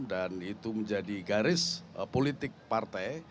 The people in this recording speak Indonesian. dan itu menjadi garis politik partai